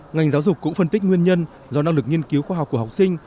ngành giáo dục cũng phân tích nguyên nhân do năng lực nghiên cứu khoa học của học sinh